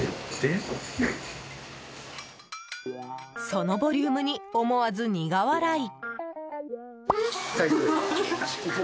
そのボリュームに思わず苦笑い。